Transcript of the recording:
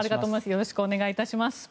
よろしくお願いします。